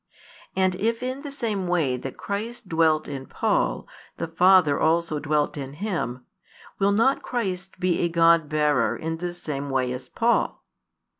And if in the same way that Christ dwelt in Paul, the Father also dwelt in Him, will not Christ be a God bearer in the same way as Paul?